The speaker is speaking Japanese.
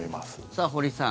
さあ、堀さん